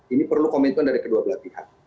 ini perlu komitmen dari kedua belah pihak